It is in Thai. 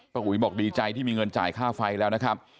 อุ๋ยบอกดีใจที่มีเงินจ่ายค่าไฟแล้วนะครับ